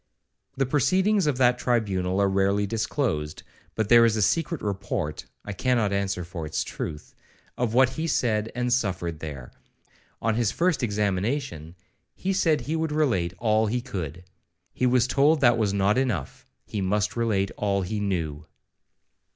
The proceedings of that tribunal are rarely disclosed, but there is a secret report (I cannot answer for its truth) of what he said and suffered there. On his first examination, he said he would relate all he could. He was told that was not enough, he must relate all he knew.